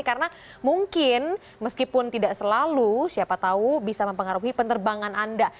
karena mungkin meskipun tidak selalu siapa tahu bisa mempengaruhi penerbangan anda